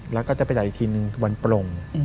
แล้วก็จะไปจ่ายอีกทีนึงวันปลง